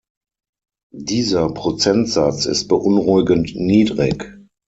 Dieser Prozentsatz ist beunruhigend niedrig.